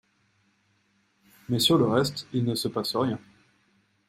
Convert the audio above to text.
Mais sur le reste, il ne se passe rien.